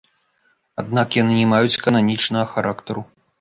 Аднак яны не маюць кананічнага характару.